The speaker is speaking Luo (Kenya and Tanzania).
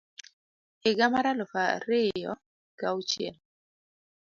higa mar aluf ariyo gi Auchiel